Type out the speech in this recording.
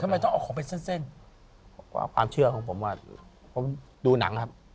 ทำไมต้องเอาของไปเส้นเส้นว่าความเชื่อของผมอ่ะผมดูหนังครับ